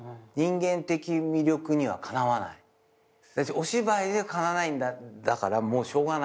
お芝居でかなわないんだからもうしょうがない。